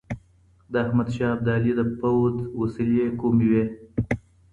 د احمد شاه ابدالي د پوځ وسلې کومې وې؟